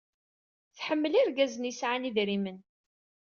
Tḥemmel irgazen yesɛan idrimen.